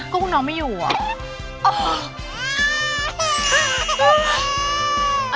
ก็คุณน้องไม่อยู่อ่ะ